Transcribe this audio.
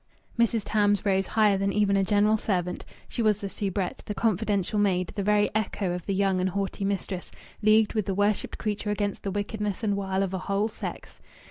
Mrs. Tams rose higher than even a general servant; she was the soubrette, the confidential maid, the very echo of the young and haughty mistress, leagued with the worshipped creature against the wickedness and wile of a whole sex.